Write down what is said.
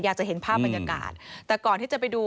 อยากจะเห็นภาพบรรยากาศแต่ก่อนที่จะไปดู